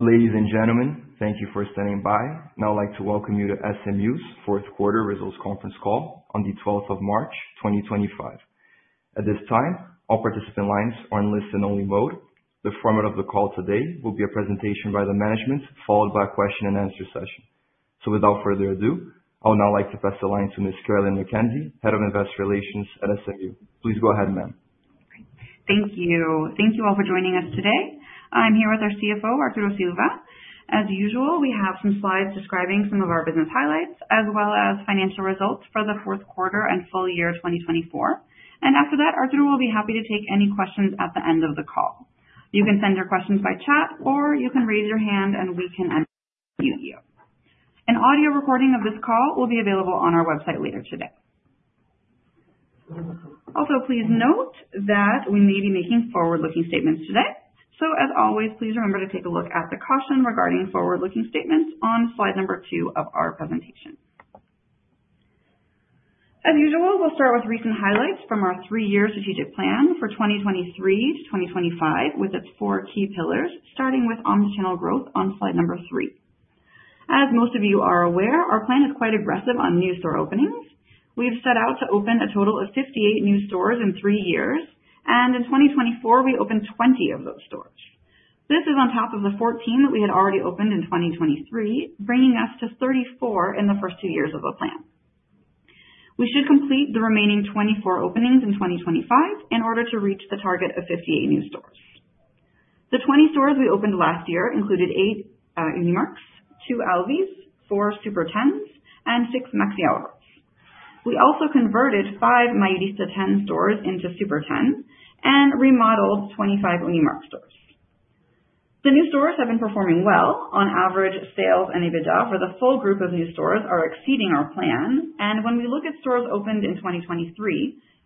Ladies and gentlemen, thank you for standing by. I'd now like to welcome you to SMU's fourth quarter results conference call on the 12th of March, 2025. At this time, all participant lines are in listen only mode. The format of the call today will be a presentation by the management, followed by a question and answer session. Without further ado, I would now like to pass the line to Ms. Carolyn McKenzie, Head of Investor Relations at SMU. Please go ahead, ma'am. Thank you. Thank you all for joining us today. I'm here with our CFO, Arturo Silva. As usual, we have some slides describing some of our business highlights as well as financial results for the fourth quarter and full year 2024. After that, Arturo will be happy to take any questions at the end of the call. You can send your questions by chat, or you can raise your hand and we can unmute you. An audio recording of this call will be available on our website later today. Also, please note that we may be making forward-looking statements today. As always, please remember to take a look at the caution regarding forward-looking statements on slide number two of our presentation. As usual, we'll start with recent highlights from our three-year strategic plan for 2023 to 2025, with its four key pillars, starting with omni-channel growth on slide number three. As most of you are aware, our plan is quite aggressive on new store openings. We've set out to open a total of 58 new stores in three years, and in 2024 we opened 20 of those stores. This is on top of the 14 that we had already opened in 2023, bringing us to 34 in the first two years of the plan. We should complete the remaining 24 openings in 2025 in order to reach the target of 58 new stores. The 20 stores we opened last year included eight Unimarc's, two Alvi's, four Super10's, and six Maxiahorro's. We also converted five Mayorista 10 stores into Super10 and remodeled 25 Unimarc stores. The new stores have been performing well. On average, sales and EBITDA for the full group of new stores are exceeding our plan. When we look at stores opened in 2023,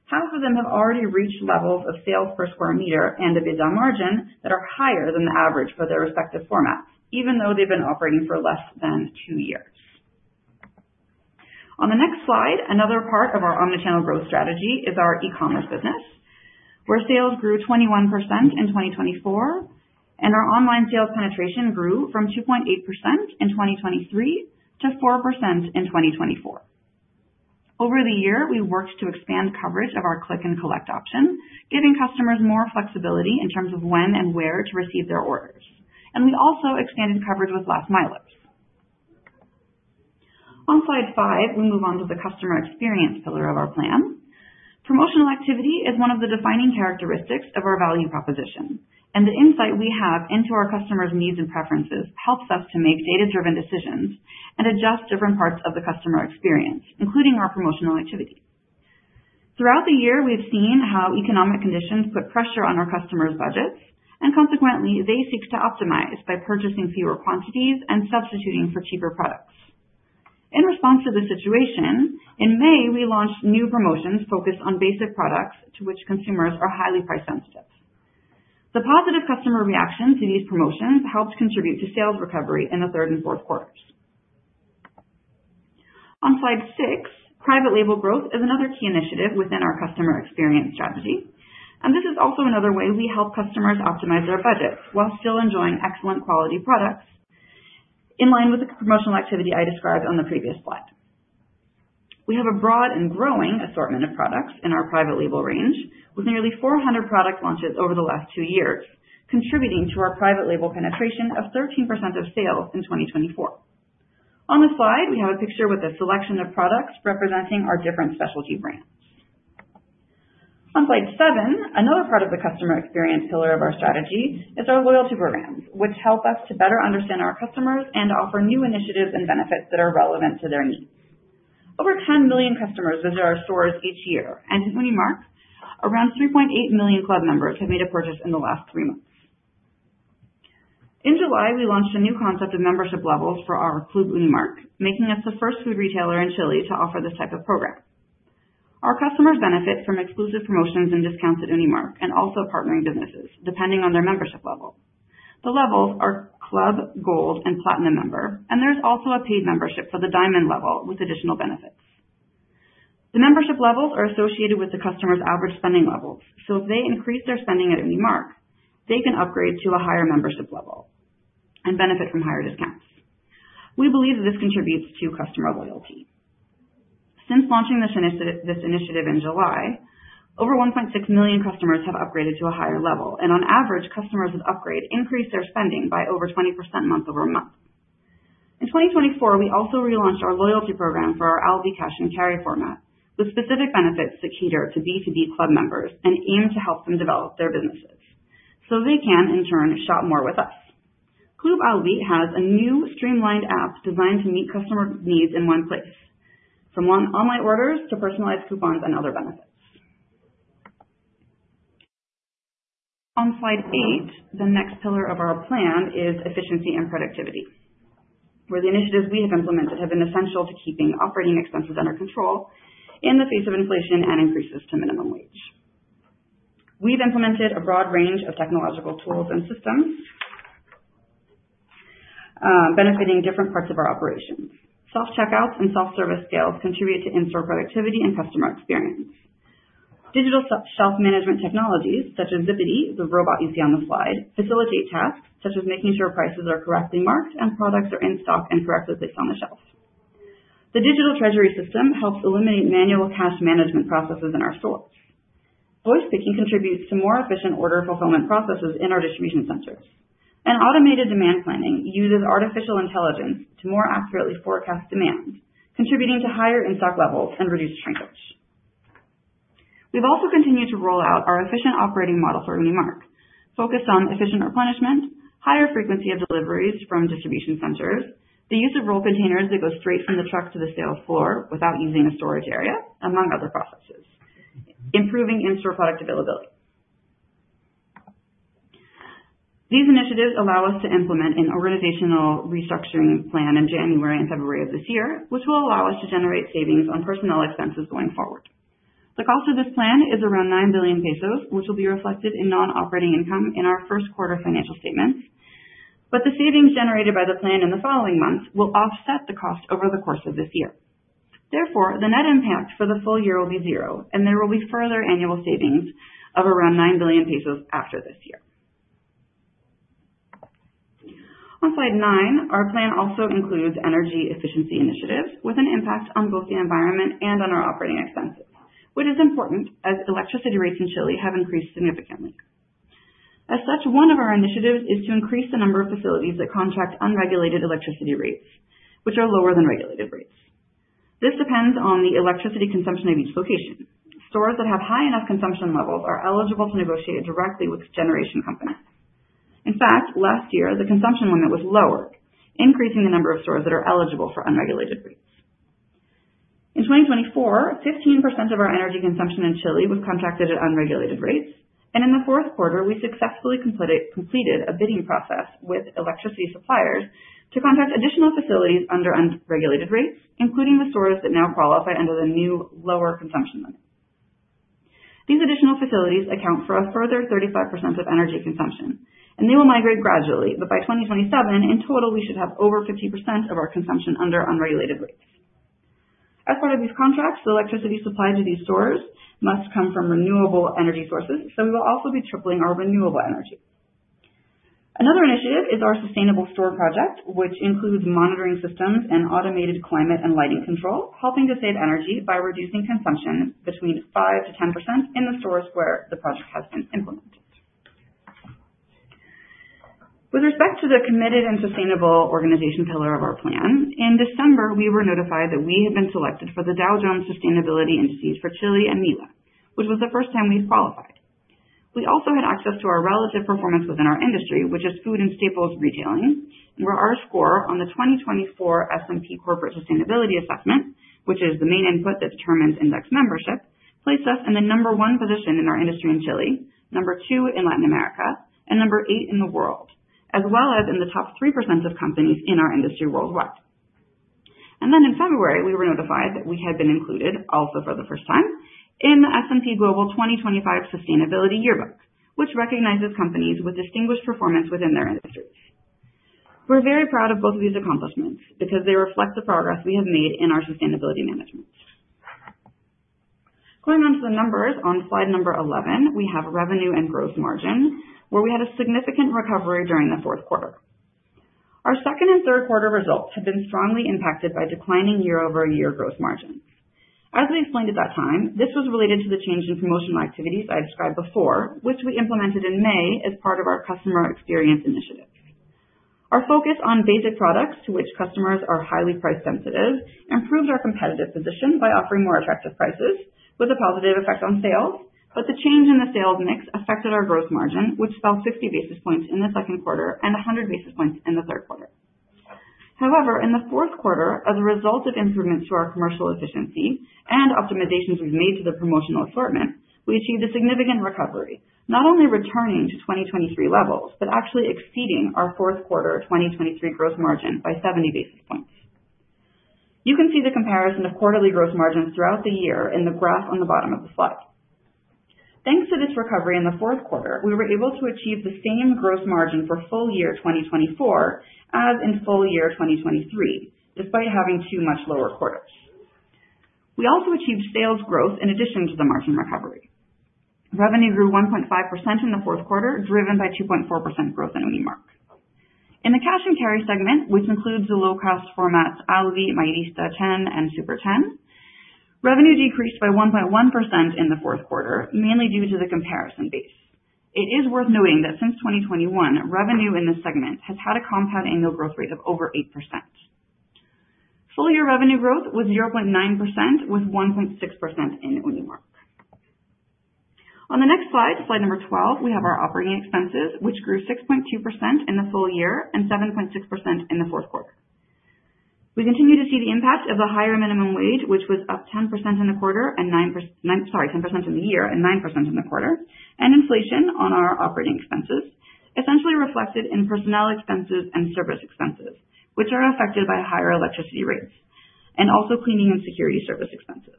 half of them have already reached levels of sales per sq m and EBITDA margin that are higher than the average for their respective formats, even though they've been operating for less than two years. On the next slide, another part of our omni-channel growth strategy is our e-commerce business, where sales grew 21% in 2024, and our online sales penetration grew from 2.8% in 2023 to 4% in 2024. Over the year, we worked to expand coverage of our Click and collect option, giving customers more flexibility in terms of when and where to receive their orders. We also expanded coverage with last mile apps. On slide 5, we move on to the customer experience pillar of our plan. Promotional activity is one of the defining characteristics of our value proposition. The insight we have into our customers' needs and preferences helps us to make data-driven decisions and adjust different parts of the customer experience, including our promotional activity. Throughout the year, we've seen how economic conditions put pressure on our customers' budgets, and consequently, they seek to optimize by purchasing fewer quantities and substituting for cheaper products. In response to this situation, in May, we launched new promotions focused on basic products to which consumers are highly price sensitive. The positive customer reaction to these promotions helped contribute to sales recovery in the third and fourth quarters. On slide six, private label growth is another key initiative within our customer experience strategy, and this is also another way we help customers optimize their budgets while still enjoying excellent quality products in line with the promotional activity I described on the previous slide. We have a broad and growing assortment of products in our private label range, with nearly 400 product launches over the last two years, contributing to our private label penetration of 13% of sales in 2024. On the slide, we have a picture with a selection of products representing our different specialty brands. On slide seven, another part of the customer experience pillar of our strategy is our loyalty programs, which help us to better understand our customers and offer new initiatives and benefits that are relevant to their needs. Over 10 million customers visit our stores each year, and at Unimarc, around 3.8 million club members have made a purchase in the last three months. In July, we launched a new concept of membership levels for our Club Unimarc, making us the first food retailer in Chile to offer this type of program. Our customers benefit from exclusive promotions and discounts at Unimarc and also partnering businesses depending on their membership level. The levels are Club, Gold and Platinum member, and there's also a paid membership for the Diamond level with additional benefits. The membership levels are associated with the customer's average spending levels, so if they increase their spending at Unimarc, they can upgrade to a higher membership level and benefit from higher discounts. We believe this contributes to customer loyalty. Since launching this initiative in July, over 1.6 million customers have upgraded to a higher level, and on average, customers who upgrade increase their spending by over 20% month-over-month. In 2024, we also relaunched our loyalty program for our Alvi Cash & Carry format, with specific benefits that cater to B2B club members and aim to help them develop their businesses so they can in turn, shop more with us. Club Alvi has a new streamlined app designed to meet customer needs in one place, from online orders to personalized coupons and other benefits. On slide eight, the next pillar of our plan is efficiency and productivity, where the initiatives we have implemented have been essential to keeping operating expenses under control in the face of inflation and increases to minimum wage. We've implemented a broad range of technological tools and systems, benefiting different parts of our operations. Self-checkouts and self-service scales contribute to in-store productivity and customer experience. Digital shelf management technologies such as Zippy, the robot you see on the slide, facilitate tasks such as making sure prices are correctly marked and products are in stock and correctly placed on the shelf. The digital treasury system helps eliminate manual cash management processes in our stores. Voice picking contributes to more efficient order fulfillment processes in our distribution centers. Automated demand planning uses artificial intelligence to more accurately forecast demand, contributing to higher in-stock levels and reduced shrinkage. We've also continued to roll out our efficient operating model for Unimarc, focused on efficient replenishment, higher frequency of deliveries from distribution centers, the use of roll containers that go straight from the truck to the sales floor without using a storage area, among other processes, improving in-store product availability. These initiatives allow us to implement an organizational restructuring plan in January and February of this year, which will allow us to generate savings on personnel expenses going forward. The cost of this plan is around 9 billion pesos, which will be reflected in non-operating income in our first quarter financial statements. The savings generated by the plan in the following months will offset the cost over the course of this year. Therefore, the net impact for the full year will be zero, and there will be further annual savings of around 9 billion pesos after this year. On slide nine, our plan also includes energy efficiency initiatives with an impact on both the environment and on our operating expenses, which is important as electricity rates in Chile have increased significantly. As such, one of our initiatives is to increase the number of facilities that contract unregulated electricity rates, which are lower than regulated rates. This depends on the electricity consumption of each location. Stores that have high enough consumption levels are eligible to negotiate directly with generation companies. In fact, last year, the consumption limit was lower, increasing the number of stores that are eligible for unregulated rates. In 2024, 15% of our energy consumption in Chile was contracted at unregulated rates, and in the fourth quarter, we successfully completed a bidding process with electricity suppliers to contract additional facilities under unregulated rates, including the stores that now qualify under the new lower consumption limit. These additional facilities account for a further 35% of energy consumption, and they will migrate gradually. By 2027, in total, we should have over 50% of our consumption under unregulated rates. As part of these contracts, the electricity supplied to these stores must come from renewable energy sources, so we will also be tripling our renewable energy. Another initiative is our sustainable store project, which includes monitoring systems and automated climate and lighting control, helping to save energy by reducing consumption between 5%-10% in the stores where the project has been implemented. With respect to the committed and sustainable organization pillar of our plan, in December, we were notified that we had been selected for the Dow Jones Sustainability Indices for Chile and MILA, which was the first time we'd qualified. We also had access to our relative performance within our industry, which is food and staples retailing, and where our score on the 2024 S&P Global Corporate Sustainability Assessment, which is the main input that determines index membership, placed us in the number 1 position in our industry in Chile, number 2 in Latin America, and number 8 in the world, as well as in the top 3% of companies in our industry worldwide. In February, we were notified that we had been included, also for the first time, in the S&P Global 2025 Sustainability Yearbook, which recognizes companies with distinguished performance within their industries. We're very proud of both of these accomplishments because they reflect the progress we have made in our sustainability management. Going on to the numbers on slide 11, we have revenue and growth margin, where we had a significant recovery during the fourth quarter. Our second and third quarter results have been strongly impacted by declining year-over-year growth margins. As we explained at that time, this was related to the change in promotional activities I described before, which we implemented in May as part of our customer experience initiatives. Our focus on basic products to which customers are highly price sensitive improves our competitive position by offering more attractive prices with a positive effect on sales. The change in the sales mix affected our growth margin, which fell 60 basis points in the second quarter and 100 basis points in the third quarter. However, in the fourth quarter, as a result of improvements to our commercial efficiency and optimizations we've made to the promotional assortment, we achieved a significant recovery, not only returning to 2023 levels, but actually exceeding our fourth quarter 2023 growth margin by 70 basis points. You can see the comparison of quarterly growth margins throughout the year in the graph on the bottom of the slide. Thanks to this recovery in the fourth quarter, we were able to achieve the same growth margin for full year 2024 as in full year 2023, despite having two much lower quarters. We also achieved sales growth in addition to the margin recovery. Revenue grew 1.5% in the fourth quarter, driven by 2.4% growth in Unimarc. In the cash and carry segment, which includes the low cost formats Alvi, Mayorista 10, and Super10, revenue decreased by 1.1% in the fourth quarter, mainly due to the comparison base. It is worth noting that since 2021, revenue in this segment has had a compound annual growth rate of over 8%. Full year revenue growth was 0.9%, with 1.6% in Unimarc. On the next slide number 12, we have our operating expenses, which grew 6.2% in the full year and 7.6% in the fourth quarter. We continue to see the impact of the higher minimum wage, which was up 10% in the quarter and nine percent. Sorry, 10% in the year and 9% in the quarter, and inflation on our operating expenses, essentially reflected in personnel expenses and service expenses, which are affected by higher electricity rates, and also cleaning and security service expenses.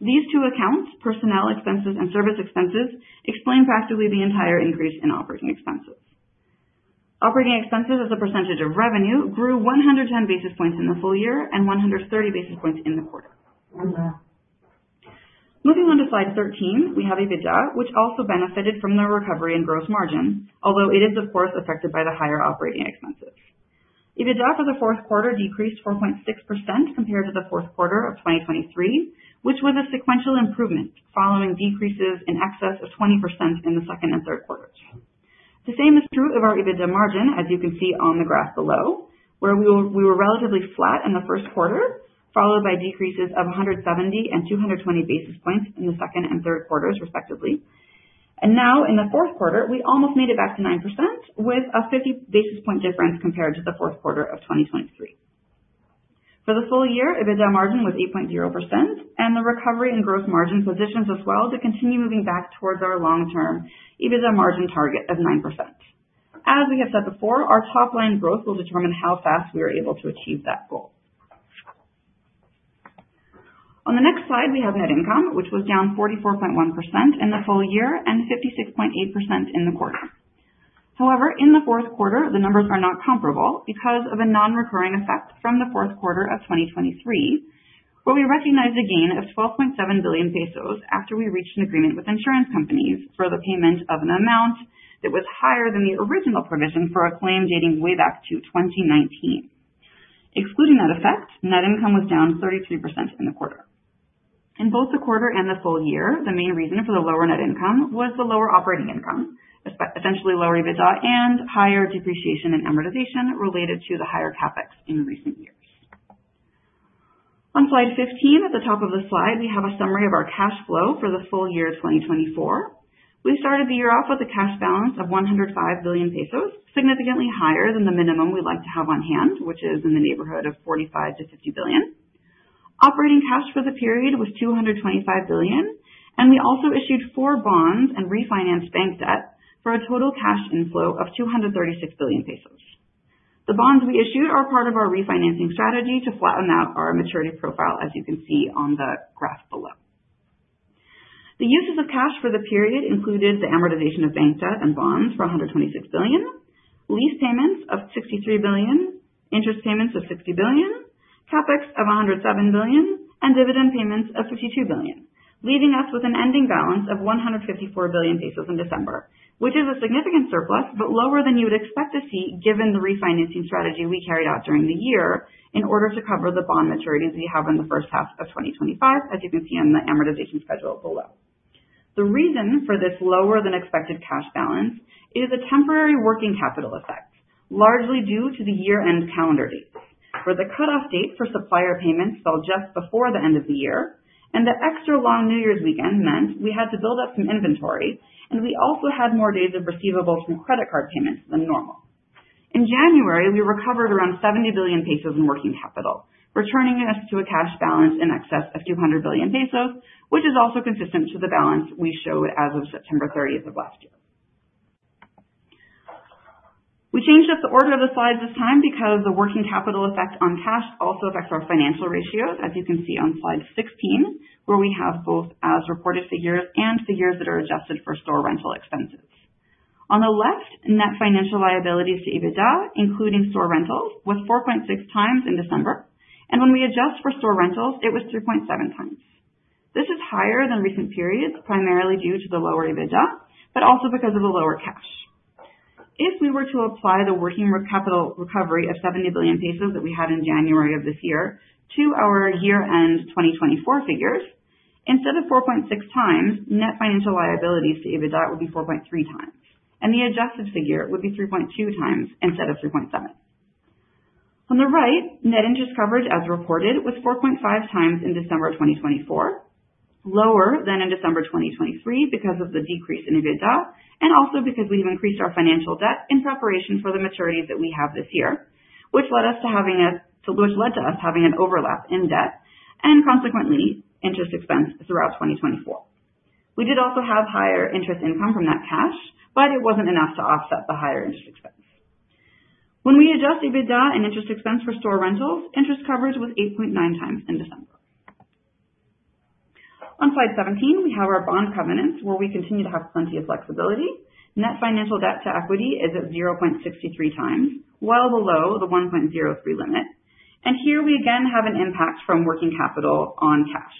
These two accounts, personnel expenses and service expenses, explain practically the entire increase in operating expenses. Operating expenses as a percentage of revenue grew 110 basis points in the full year and 130 basis points in the quarter. Moving on to slide 13, we have EBITDA, which also benefited from the recovery in gross margin, although it is of course affected by the higher operating expenses. EBITDA for the fourth quarter decreased 4.6% compared to the fourth quarter of 2023, which was a sequential improvement following decreases in excess of 20% in the second and third quarters. The same is true of our EBITDA margin, as you can see on the graph below, where we were relatively flat in the first quarter, followed by decreases of 170 and 220 basis points in the second and third quarters respectively. Now in the fourth quarter, we almost made it back to 9% with a 50 basis point difference compared to the fourth quarter of 2023. For the full year, EBITDA margin was 8.0%, and the recovery in gross margin positions us well to continue moving back towards our long term EBITDA margin target of 9%. As we have said before, our top line growth will determine how fast we are able to achieve that goal. On the next slide, we have net income, which was down 44.1% in the full year and 56.8% in the quarter. However, in the fourth quarter, the numbers are not comparable because of a non-recurring effect from the fourth quarter of 2023, where we recognized a gain of 12.7 billion pesos after we reached an agreement with insurance companies for the payment of an amount that was higher than the original provision for a claim dating way back to 2019. Excluding that effect, net income was down 32% in the quarter. In both the quarter and the full year, the main reason for the lower net income was the lower operating income, essentially lower EBITDA and higher depreciation and amortization related to the higher CapEx in recent years. On slide 15, at the top of the slide, we have a summary of our cash flow for the full year 2024. We started the year off with a cash balance of 105 billion pesos, significantly higher than the minimum we'd like to have on hand, which is in the neighborhood of 45 billion-50 billion. Operating cash for the period was 225 billion, and we also issued four bonds and refinanced bank debt for a total cash inflow of 236 billion pesos. The bonds we issued are part of our refinancing strategy to flatten out our maturity profile, as you can see on the graph below. The uses of cash for the period included the amortization of bank debt and bonds for 126 billion, lease payments of 63 billion, interest payments of 60 billion, CapEx of 107 billion, and dividend payments of 52 billion. Leaving us with an ending balance of 154 billion pesos in December, which is a significant surplus but lower than you would expect to see given the refinancing strategy we carried out during the year in order to cover the bond maturities we have in the first half of 2025, as you can see on the amortization schedule below. The reason for this lower than expected cash balance is a temporary working capital effect, largely due to the year-end calendar dates, where the cutoff date for supplier payments fell just before the end of the year, and the extra long New Year's weekend meant we had to build up some inventory, and we also had more days of receivables from credit card payments than normal. In January, we recovered around 70 billion pesos in working capital, returning us to a cash balance in excess of 200 billion pesos, which is also consistent to the balance we show as of September 30th of last year. We changed up the order of the slides this time because the working capital effect on cash also affects our financial ratios, as you can see on slide 16, where we have both as reported figures and figures that are adjusted for store rental expenses. On the left, net financial liabilities to EBITDA, including store rentals, was 4.6x in December, and when we adjust for store rentals, it was 3.7x. This is higher than recent periods, primarily due to the lower EBITDA, but also because of the lower cash. If we were to apply the working capital recovery of 70 billion pesos that we had in January of this year to our year-end 2024 figures, instead of 4.6x, net financial liabilities to EBITDA would be 4.3x. The adjusted figure would be 3.2x instead of 3.7. On the right, net interest coverage as reported was 4.5x in December 2024, lower than in December 2023 because of the decrease in EBITDA and also because we've increased our financial debt in preparation for the maturities that we have this year, which led to us having an overlap in debt and consequently interest expense throughout 2024. We did also have higher interest income from that cash, but it wasn't enough to offset the higher interest expense. When we adjust EBITDA and interest expense for store rentals, interest coverage was 8.9x in December. On slide 17, we have our bond covenants where we continue to have plenty of flexibility. Net financial debt to equity is at 0.63x, well below the 1.03 limit. Here we again have an impact from working capital on cash.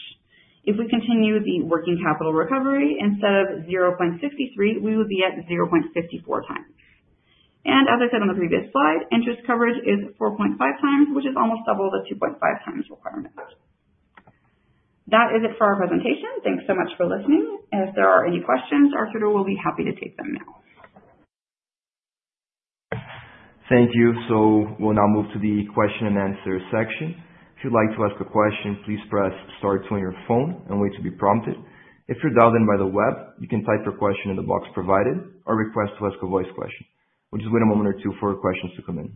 If we continue the working capital recovery instead of 0.63, we would be at 0.54x. As I said on the previous slide, interest coverage is 4.5x, which is almost double the 2.5x requirement. That is it for our presentation. Thanks so much for listening. If there are any questions, Arturo will be happy to take them now. Thank you. We'll now move to the question and answer section. If you'd like to ask a question, please press star two on your phone and wait to be prompted. If you're dialed in by the web, you can type your question in the box provided or request to ask a voice question. We'll just wait a moment or two for questions to come in.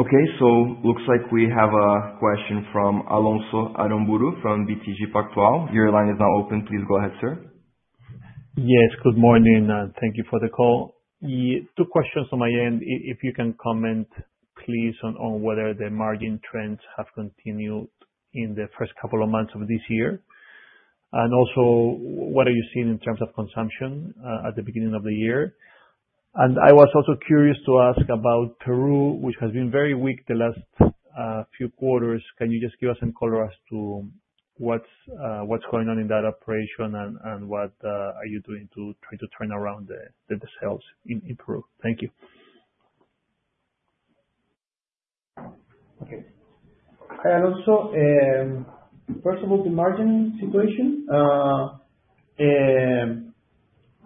Okay, looks like we have a question from Alonso Aramburu from BTG Pactual. Your line is now open. Please go ahead, sir. Yes. Good morning, and thank you for the call. Two questions on my end. If you can comment please on whether the margin trends have continued in the first couple of months of this year. What are you seeing in terms of consumption at the beginning of the year? I was also curious to ask about Peru, which has been very weak the last few quarters. Can you just give us some color as to what's going on in that operation and what are you doing to try to turn around the sales in Peru? Thank you. Okay, first of all, the margin situation.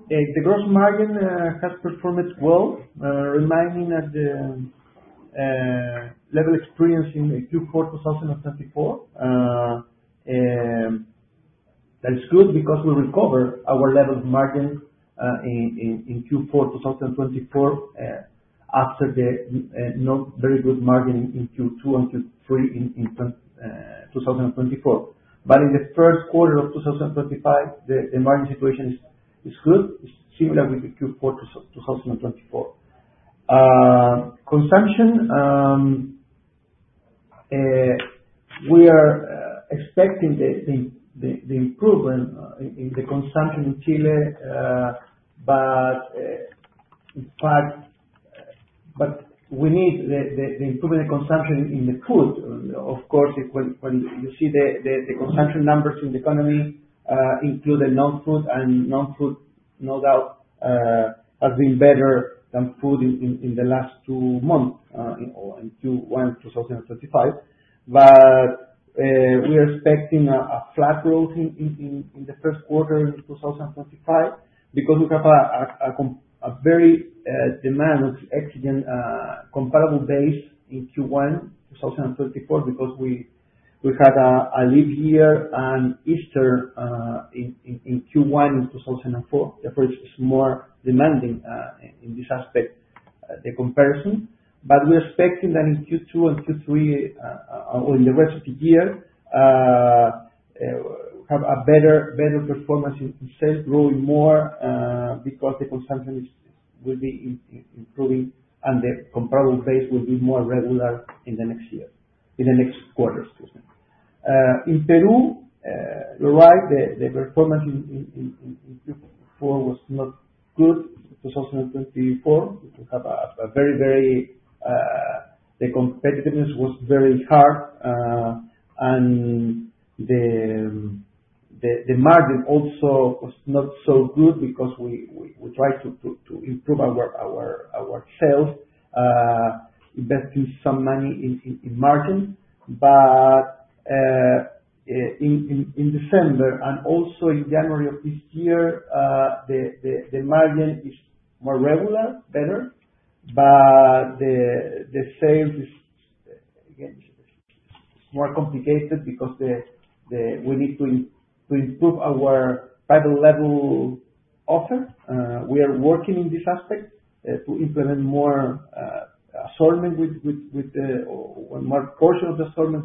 The gross margin has performed well, remaining at the level experienced in Q4 2024. That is good because we recover our level of margin in Q4 2024 after the not very good margin in Q2 and Q3 in 2024. In the first quarter of 2025, the margin situation is good. It's similar with the Q4 2024. Consumption. We are expecting the improvement in the consumption in Chile, but we need the improvement of consumption in the food. Of course, if, when you see the consumption numbers in the economy, including the non-food, non-food no doubt has been better than food in the last two months, or in Q1 2025. We are expecting a very demanding, actually, comparable base in Q1 2024 because we had a leap year and Easter in Q1 2024. The first is more demanding in this aspect, the comparison. We're expecting that in Q2 and Q3 or in the rest of the year we have a better performance in sales growing more because the consumption will be improving and the comparable base will be more regular in the next quarter. In Peru, you're right. The performance in Q4 was not good. In 2024, the competitiveness was very hard. The margin also was not so good because we tried to improve our sales investing some money in margin. In December and also in January of this year, the margin is more regular, better. The sales is, again, more complicated because we need to improve our private label offer. We are working in this aspect to implement more assortment with or more portion of the assortment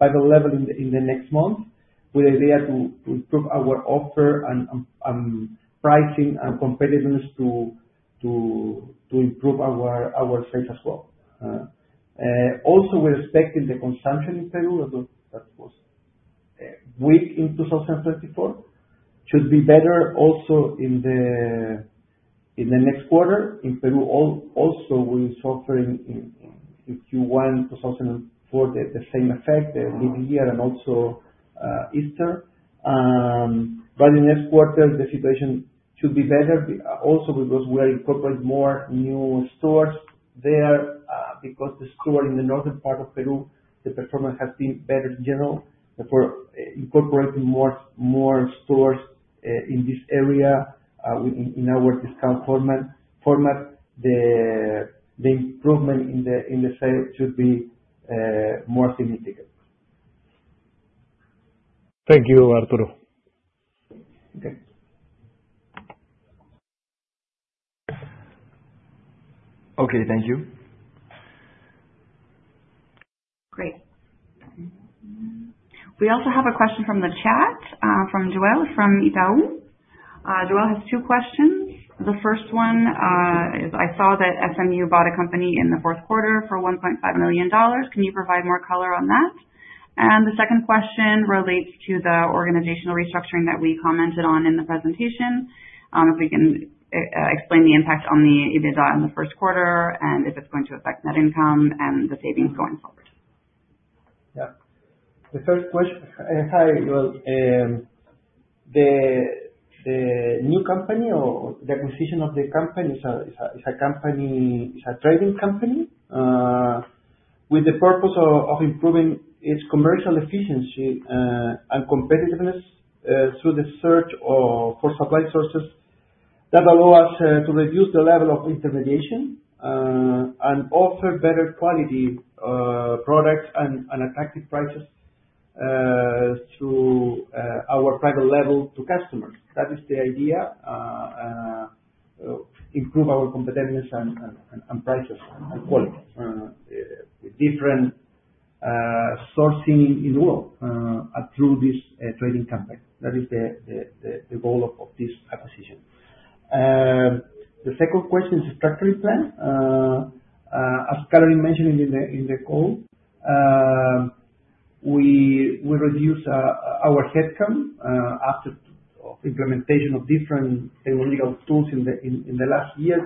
with private label in the next month. With the idea to improve our offer and pricing and competitiveness to improve our sales as well. Also we're expecting the consumption in Peru, although that was weak in 2024, should be better also in the next quarter. In Peru also we're suffering in Q1 2024 the same effect, the leap year and also Easter. In next quarter the situation should be better also because we are incorporating more new stores there. Because the store in the northern part of Peru, the performance has been better in general. Therefore, incorporating more stores in this area in our discount format, the improvement in the sales should be more significant. Thank you, Arturo. Okay. Thank you. Great. We also have a question from the chat from Joel, from Itaú. Joel has two questions. The first one is: I saw that SMU bought a company in the fourth quarter for $1.5 million. Can you provide more color on that? The second question relates to the organizational restructuring that we commented on in the presentation. If we can explain the impact on the EBITDA in the first quarter and if it's going to affect net income and the savings going forward. Yeah. The first question. Hi, Joel. The new company or the acquisition of the company is a trading company with the purpose of improving its commercial efficiency and competitiveness through the search for supply sources that allow us to reduce the level of intermediation and offer better quality products and attractive prices to our private label to customers. That is the idea. Improve our competitiveness and prices and quality with different sourcing in world through this trading company. That is the goal of this acquisition. The second question is the restructuring plan. As Carolyn mentioned in the call, we reduce our head count after implementation of different technological tools in the last years,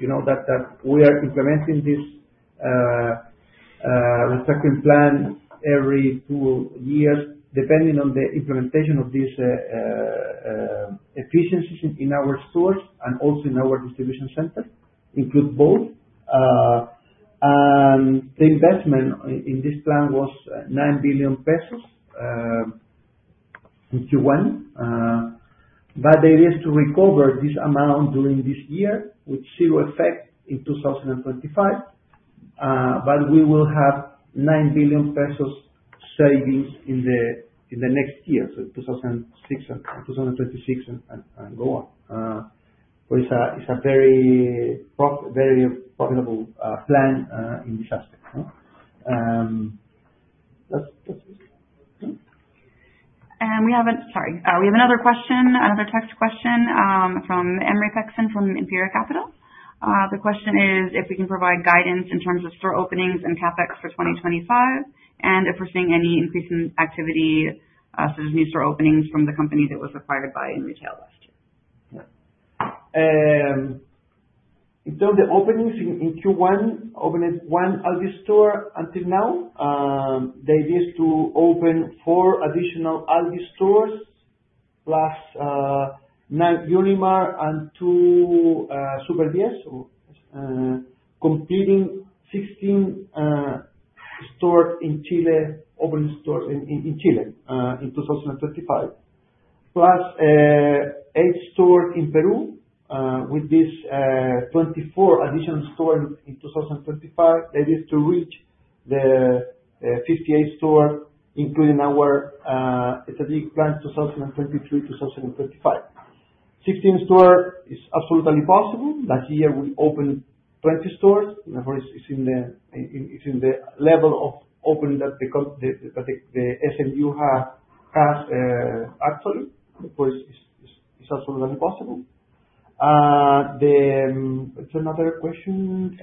you know, that we are implementing this restructuring plan every two years, depending on the implementation of this efficiency in our stores and also in our distribution center, including both. The investment in this plan was 9 billion pesos in Q1. The idea is to recover this amount during this year with zero effect in 2025. We will have 9 billion pesos savings in the next years, so 2026 and 2026 and go on. It's a very profitable plan in this aspect, yeah. That's it, yeah. We have another question, another text question, from Emory Pexton from Imperial Capital. The question is if we can provide guidance in terms of store openings and CapEx for 2025, and if we're seeing any increase in activity, so there's new store openings from the company that was acquired by InRetail last year. Yeah. In terms of openings in Q1, we opened 1 Alvi store until now. The idea is to open four additional Alvi stores, plus nine Unimarc and two Super10, so completing 16 stores in Chile in 2025. Plus eight stores in Peru with this 24 additional stores in 2025. That is to reach the 58 stores, including our strategic plan 2023-2025. 16 stores is absolutely possible. Last year we opened 20 stores. You know, it's in the level of opening that the SMU has actually. Of course, it's absolutely possible. What's another question?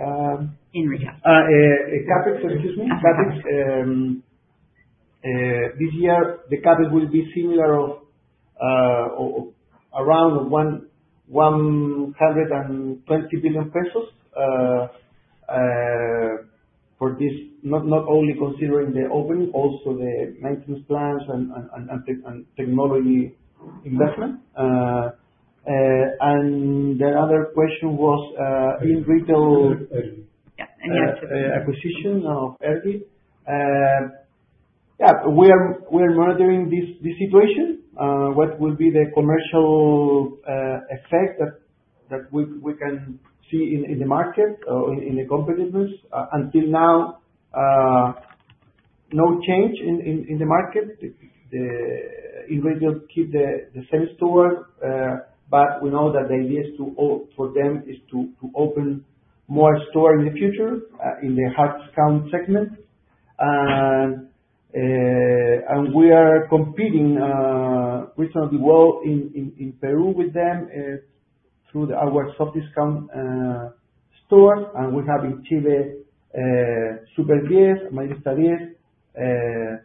In retail. CapEx. Excuse me. CapEx. This year the CapEx will be similar of around 120 billion pesos. For this, not only considering the opening, also the maintenance plans and technology investment. The other question was InRetail- Yeah. Acquisition of Erbi. Yeah, we are monitoring this situation. What will be the commercial effect that we can see in the market or in the competitors. Until now, no change in the market. InRetail keep the same stores. But we know that the idea is for them to open more stores in the future in the hard discount segment. We are competing reasonably well in Peru with them through our soft discount stores. We have in Chile, Super10, Mayorista 10, and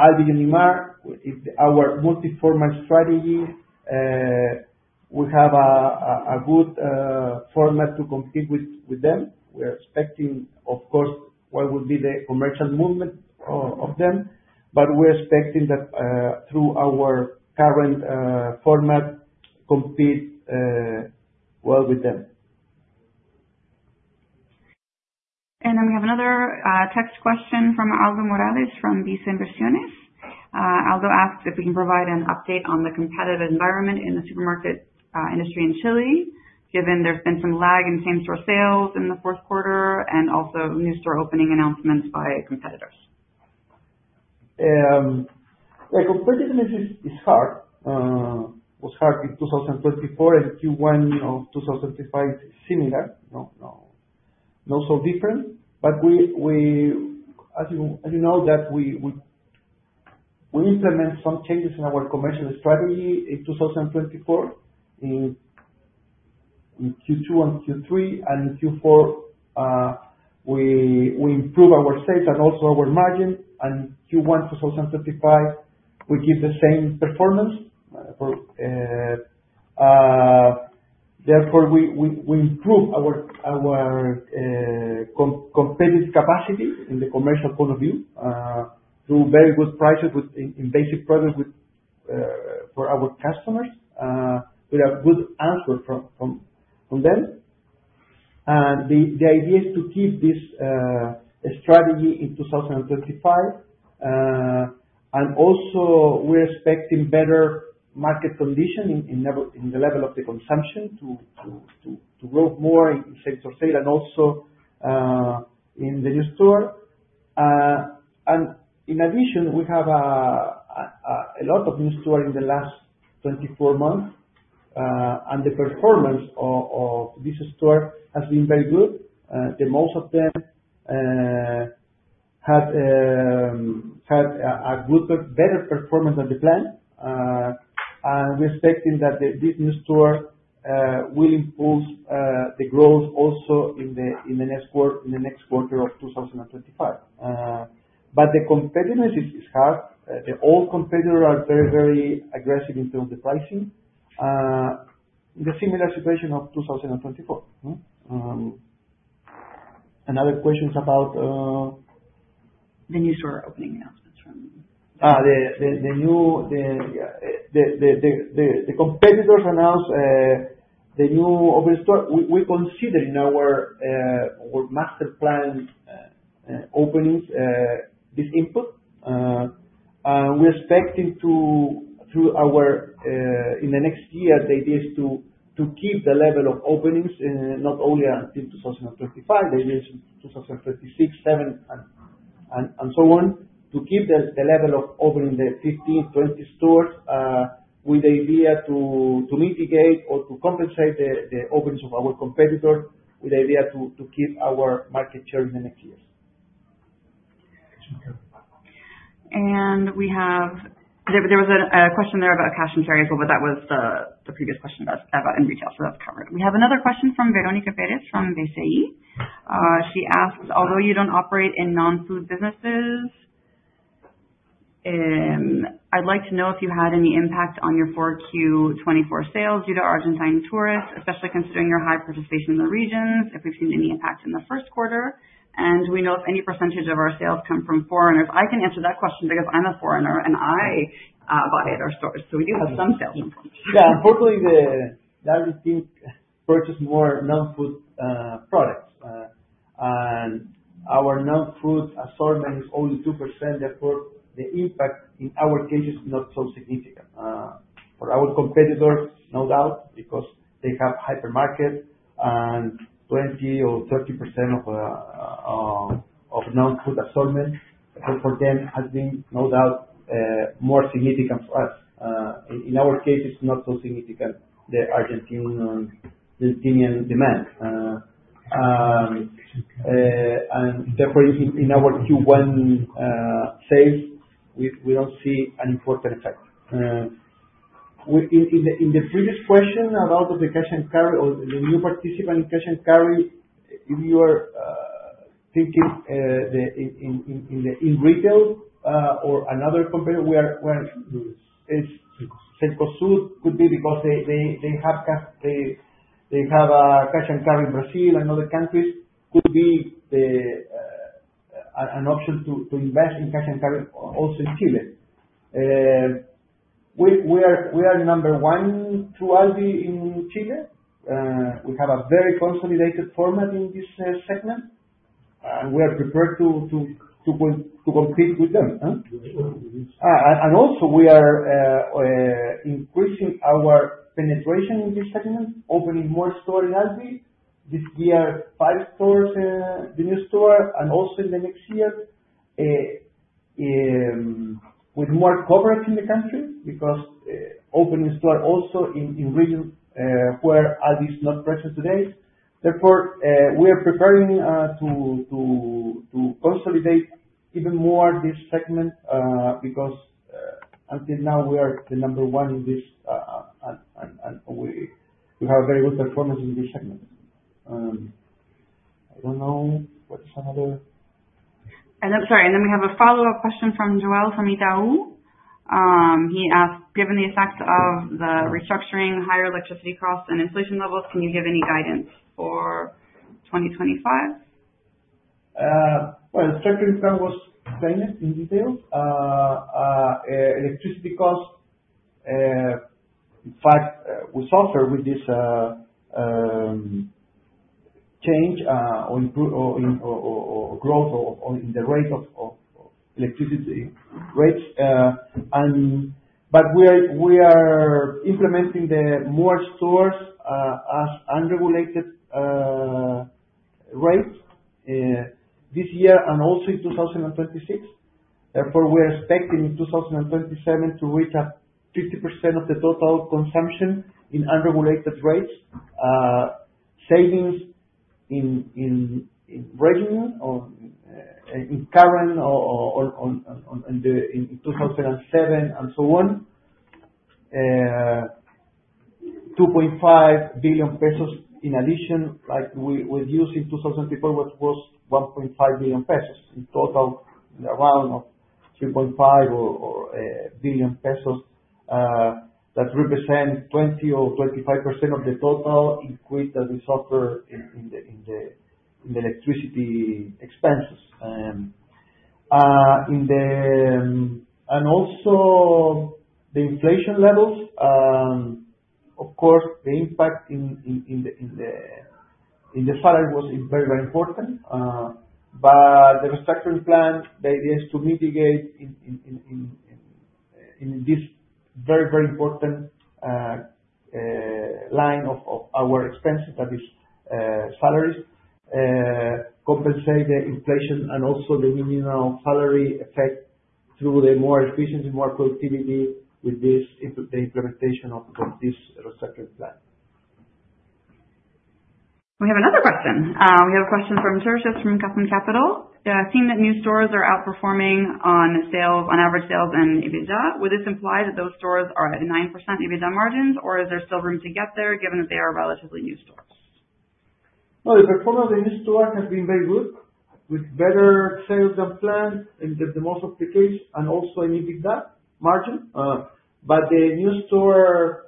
Unimarc, which is our multi-format strategy. We have a good format to compete with them. We are expecting, of course, what will be the commercial movement of them. We are expecting that through our current format compete well with them. We have another text question from Aldo Morales, from BICE Inversiones. Aldo asks if we can provide an update on the competitive environment in the supermarket industry in Chile, given there's been some lag in same-store sales in the fourth quarter and also new store opening announcements by competitors. Like competitive image is hard. Was hard in 2024 and Q1, you know, 2025 similar. No, not so different. As you know that we implement some changes in our commercial strategy in 2024 in Q2 and Q3. In Q4, we improve our sales and also our margin. Q1 2025, we give the same performance. Therefore we improve our competitive capacity in the commercial point of view through very good prices within basic products for our customers. We have good answer from them. The idea is to keep this strategy in 2025. We're expecting better market condition in the level of the consumption to grow more in same-store sales and also in the new store. In addition, we have a lot of new store in the last 24 months. The performance of this store has been very good. The most of them have had better performance than the plan. We're expecting that the business store will improve the growth also in the next quarter of 2025. But the competitiveness is hard. All competitor are very aggressive in terms of pricing. The similar situation of 2024. Other questions about. The new store opening announcements from- The competitors announce the new openings. We consider this input in our master plan. We're expecting in the next year. The idea is to keep the level of openings not only until 2025. The idea is in 2036, 2037, and so on to keep the level of opening 15-20 stores with the idea to mitigate or to compensate the openings of our competitor with the idea to keep our market share in the next years. There was a question about cash and carry, but that was the previous question about InRetail, so that's covered. We have another question from Verónica Pérez, from BCI. She asked, "Although you don't operate in non-food businesses, I'd like to know if you had any impact on your 4Q 2024 sales due to Argentine tourists, especially considering your high participation in the regions, if we've seen any impact in the first quarter. And do we know if any percentage of our sales come from foreigners?" I can answer that question because I'm a foreigner and I buy at our stores. We do have some sales from foreigners. Yeah. Hopefully the Argentines purchase more non-food products. Our non-food assortment is only 2%, therefore the impact in our case is not so significant. For our competitors, no doubt, because they have hypermarket and 20% or 30% of non-food assortment. So for them has been no doubt more significant to us. In our case, it's not so significant, the Argentinian demand. Therefore in our Q1 sales, we don't see an important effect. In the previous question about the cash and carry or the new participant cash and carry, if you are thinking in InRetail or another competitor, we are. Yes. Cencosud could be because they have cash and carry in Brazil and other countries. It could be an option to invest in cash and carry also in Chile. We are number one through Alvi in Chile. We have a very consolidated format in this segment. We are prepared to compete with them. Sure. We are increasing our penetration in this segment, opening more stores in Alvi. This year, five stores, the new store and also in the next year, with more coverage in the country because opening stores also in regions where Alvi is not present today. Therefore, we are preparing to consolidate even more this segment, because until now we are the number one in this, and we have very good performance in this segment. I don't know what's another- We have a follow-up question from Joel, from Itaú. He asked: Given the effect of the restructuring, higher electricity costs and inflation levels, can you give any guidance for 2025? Well, the restructuring plan was explained in detail. Electricity cost, in fact, we suffer with this change or growth in the rate of electricity rates. We are implementing more stores as unregulated rates this year and also in 2036. Therefore, we are expecting in 2037 to reach 50% of the total consumption in unregulated rates. Savings in the current regime in 2027 and so on. 2.5 billion pesos in addition. Like, we used in 2024 was 1.5 billion pesos. In total, around 3.5 billion pesos that represent 20% or 25% of the total increase that we suffer in the electricity expenses. Also the inflation levels, of course the impact in the salary is very important. But the restructuring plan, the idea is to mitigate in this very important line of our expenses that is salaries, compensate the inflation and also the minimum salary effect through more efficiency, more productivity with the implementation of this restructuring plan. We have another question. We have a question from Sergio from Credicorp Capital. Seeing that new stores are outperforming on sales, on average sales in EBITDA, would this imply that those stores are at 9% EBITDA margins or is there still room to get there given that they are relatively new stores? Well, the performance of the new store has been very good with better sales than planned in most cases and also an EBITDA margin. The new store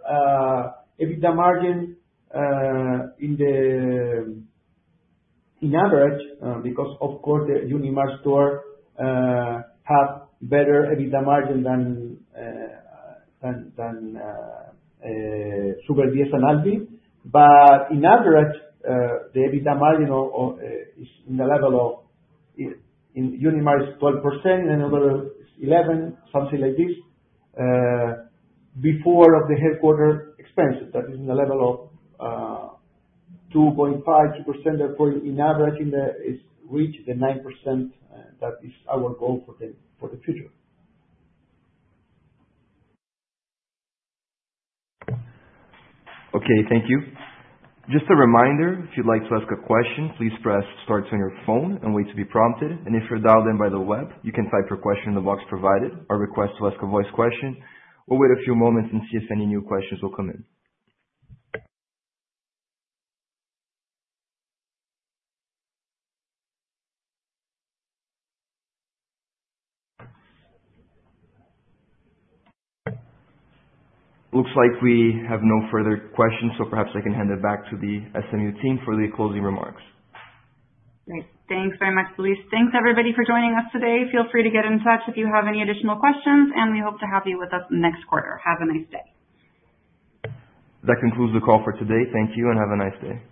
EBITDA margin in average, because of course the Unimarc store have better EBITDA margin than Super10 and Alvi. In average, the EBITDA margin or is in the level of in Unimarc is 12%, in another is 11%, something like this. Before the headquarters expenses, that is in the level of 2.5 to 2%. Therefore, in averaging that is reached the 9% that is our goal for the future. Okay, thank you. Just a reminder, if you'd like to ask a question, please press star two on your phone and wait to be prompted. If you're dialed in by the web, you can type your question in the box provided or request to ask a voice question. We'll wait a few moments and see if any new questions will come in. Looks like we have no further questions, so perhaps I can hand it back to the SMU team for the closing remarks. Great. Thanks very much, Luis. Thanks everybody for joining us today. Feel free to get in touch if you have any additional questions, and we hope to have you with us next quarter. Have a nice day. That concludes the call for today. Thank you and have a nice day.